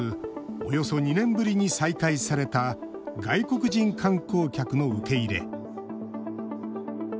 およそ２年ぶりに再開された外国人観光客の受け入れ。